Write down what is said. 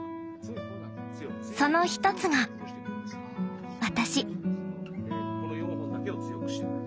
その一つが私。